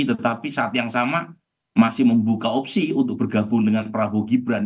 tetapi saat yang sama masih membuka opsi untuk bergabung dengan prabowo gibran